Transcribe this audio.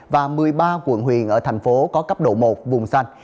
và một mươi ba quận huyện ở thành phố có cấp độ một vùng xanh